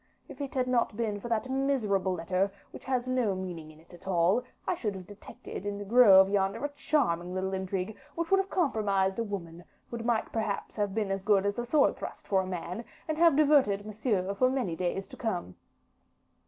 If it had not been for that miserable letter, which has no meaning at all in it, I should have detected in the grove yonder a charming little intrigue, which would have compromised a woman, would have perhaps have been as good as a sword thrust for a man, and have diverted Monsieur for many days to come."